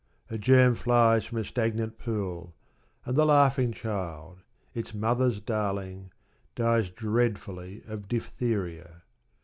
A germ flies from a stagnant pool, and the laughing child, its mother's darling, dies dreadfully of diphtheria.